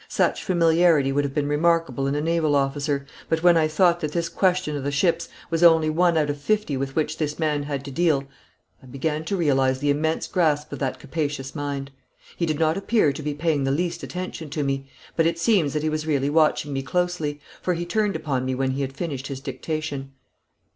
Such familiarity would have been remarkable in a naval officer, but when I thought that this question of the ships was only one out of fifty with which this man had to deal, I began to realise the immense grasp of that capacious mind. He did not appear to be paying the least attention to me, but it seems that he was really watching me closely, for he turned upon me when he had finished his dictation.